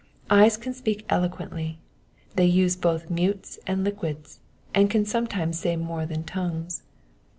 Eyes can speak right eloquently ; they use both mutes and liquids, and can sometimes say more than tongues.